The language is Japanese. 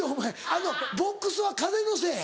あのボックスは風のせい？